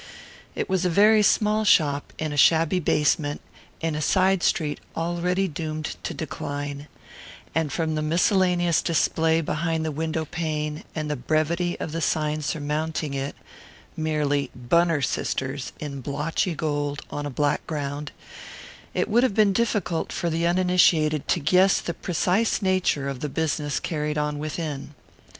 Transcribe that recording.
It was a very small shop, in a shabby basement, in a side street already doomed to decline; and from the miscellaneous display behind the window pane, and the brevity of the sign surmounting it (merely "Bunner Sisters" in blotchy gold on a black ground) it would have been difficult for the uninitiated to guess the precise nature of the business carried on within.